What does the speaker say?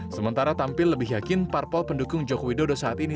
sementara tampil lebih yakin parpol pendukung jokowi dodo saat ini